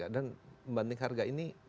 dan membanding harga ini